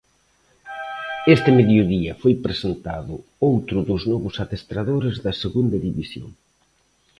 Este mediodía foi presentado outro dos novos adestradores da Segunda División.